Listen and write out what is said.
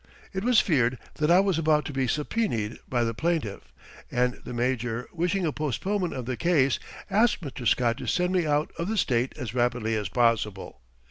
It was feared that I was about to be subpoenaed by the plaintiff, and the Major, wishing a postponement of the case, asked Mr. Scott to send me out of the State as rapidly as possible.